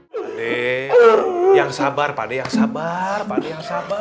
pada yang sabar pada yang sabar pada yang sabar